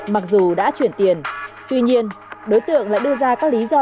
mặc dù đã chuyển tiền tuy nhiên đối tượng lại đưa ra các lý do